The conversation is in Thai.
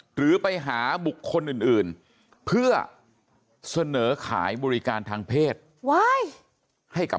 หรือไปหาบุคคลอื่นเพื่อเสนอขายบริการทางเพศให้กับ